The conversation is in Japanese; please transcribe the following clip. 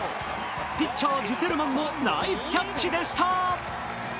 ピッチャー・グセルマンのナイスキャッチでした。